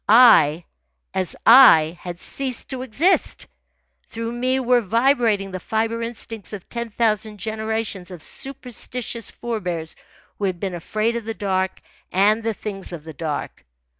I, as I, had ceased to exist. Through me were vibrating the fibre instincts of ten thousand generations of superstitious forebears who had been afraid of the dark and the things of the dark.